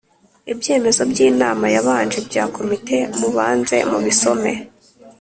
ibyemezo by inama yabanje bya Komite mubanze mubisome